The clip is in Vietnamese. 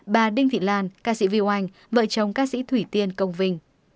bà đinh thị lan ca sĩ viu anh vợ chồng ca sĩ thủy tiên công vinh